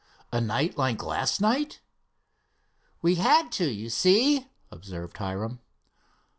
"A night like last night " "We had to, you see," observed Hiram.